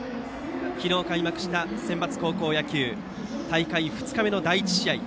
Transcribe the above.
昨日開幕したセンバツ高校野球大会２日目の第１試合。